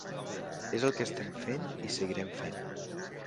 És el que estam fent i seguirem fent.